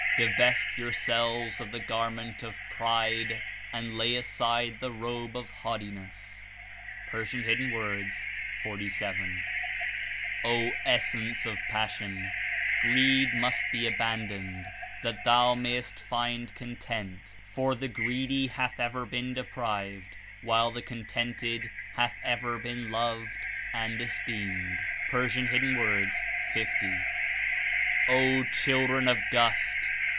Dives t yourselves of the gar ment of pride and !a\ aside the robe of haughtiness.'* (I' 47 ) "O Essence of Passion/ Greed must be aban doned, that thou mayest find content, for the greed\ hath ever been deprived, nhile the contended hath ever been loved and esteemed/' (P. 50.) "O Children of Dust!